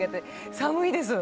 寒いです！